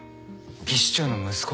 技師長の息子？